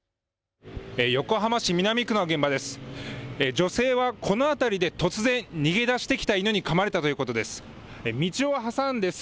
横浜市南区の現場です。